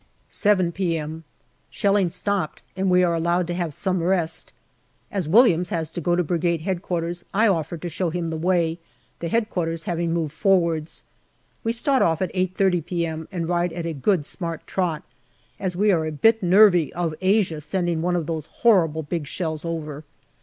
7 p.m. Shelling stopped, and we are allowed to have some rest. As Williams has to go to Brigade H.Q., I offer to show him the way, the H.Q. having moved forwards. We start off at 8.30 p.m. and ride at a good smart trot, as we are a bit nervy of Asia sending one of those horrible big shells over.